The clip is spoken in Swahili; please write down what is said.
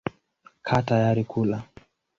Kaa tayari kula.